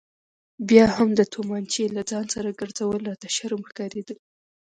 بیا هم د تومانچې له ځانه سره ګرځول راته شرم ښکارېده.